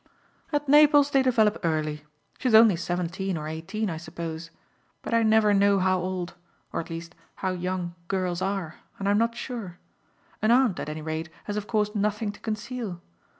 "At Naples they develop early. She's only seventeen or eighteen, I suppose; but I never know how old or at least how young girls are, and I'm not sure. An aunt, at any rate, has of course nothing to conceal.